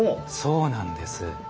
そうなんです。